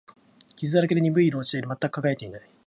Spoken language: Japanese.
傷だらけで、鈍い色をしている。全く輝いていない。